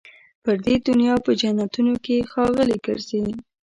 پر دې دنیا په جنتونو کي ښاغلي ګرځي